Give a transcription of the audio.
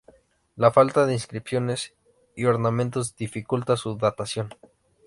La falta de inscripciones y ornamentos dificulta su datación.